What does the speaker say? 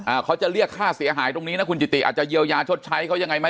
เขาจะเรียกค่าเสียหายตรงนี้นะคุณจิติอาจจะเยียวยาชดใช้เขายังไงไหม